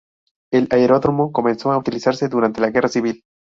El aeródromo comenzó a utilizarse durante la Guerra Civil.